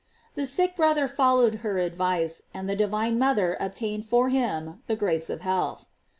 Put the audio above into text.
The sick brother followed her advice, and the divine mother obtained for him the grace of health.